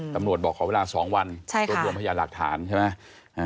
ตำรวจบอกขอเวลา๒วันรวมพยายามหลักฐานใช่ไหมค่ะใช่ค่ะ